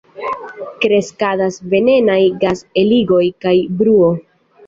Kreskadas venenaj gas-eligoj kaj bruo.